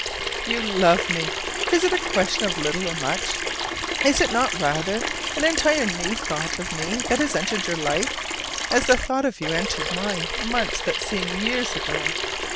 You love me! Is it a question of little or much? Is it not rather an entire new thought of me that has entered your life, as the thought of you entered mine months that seem years ago?